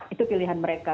itu pilihan mereka